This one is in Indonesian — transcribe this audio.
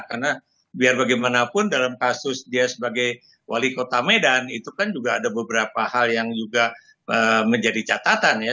karena biar bagaimanapun dalam kasus dia sebagai wali kota medan itu kan juga ada beberapa hal yang juga menjadi catatan ya